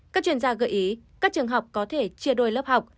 các chuyên gia gợi ý các trường học có thể chia đôi lớp học